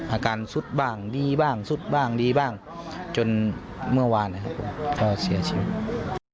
อาการสุดบ้างดีบ้างสุดบ้างดีบ้างจนเมื่อวานนะครับผมก็เสียชีวิต